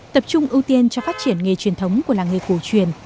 tập trung ưu tiên cho phát triển nghề truyền thống của làng nghề cổ truyền